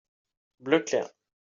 bleu clair.